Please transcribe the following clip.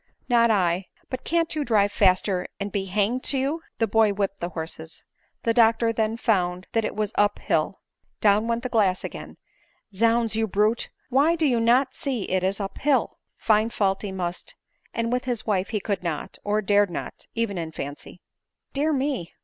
" Not I. But can't you drive faster and be hanged to you ?" The boy whipped his horses. The doctor then found that it was up hill — down went the glass again ;" zounds, you brute, why, do you not see it is up hill ?" For find fault he must ; and with his wife he could not, or dared not, even in fancy. " Dear me